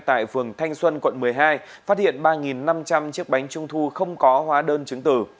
tại phường thanh xuân quận một mươi hai phát hiện ba năm trăm linh chiếc bánh trung thu không có hóa đơn chứng tử